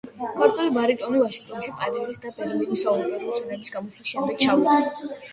ქართველი ბარიტონი ვაშინგტონში პარიზის და ბერლინის საოპერო სცენებზე გამოსვლის შემდეგ ჩამოვიდა.